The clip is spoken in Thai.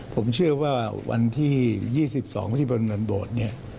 ผมเชื่อว่าวันที่๒๒พบเนี่ย